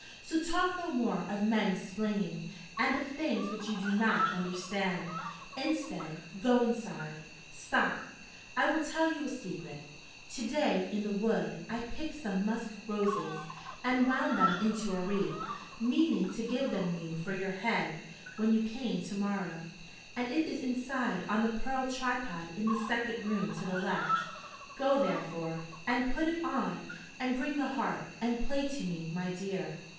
So talk no more of men splinging, and of things which you do not understand. Instead, go inside stop, I will tell you a secret: to day in the wood I picked some musk roses and wound them into a wreath, meaning to give them you for your head when you came to morrow: and it is inside on the pearl tripod in the second room to the left: go, therefore, and put it on, and bring the harp, and play to me, my dear.'